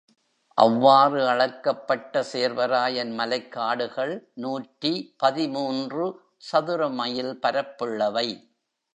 அவ்வாறு அளக்கப்பட்ட சேர்வராயன் மலைக்காடுகள் நூற்றி பதிமூன்று சதுரமைல் பரப்புள்ளவை.